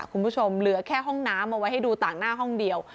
คุณผู้ชมเหลือแค่ห้องน้ำเอาไว้ให้ดูต่างหน้าห้องเดียว